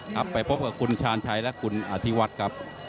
ครับไปพบกับคุณชาญชัยและคุณอธิวัฒน์ครับ